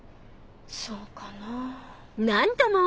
そうかなぁ。